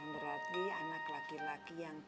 berarti anak laki laki yang